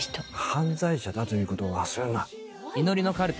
犯罪者だということを忘れるな。